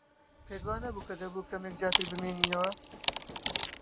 پێت وانییە کە دەبوو کەمێک زیاتر بمێنینەوە؟